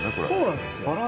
そうなんですよ。